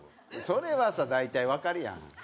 それはさ大体わかるやん。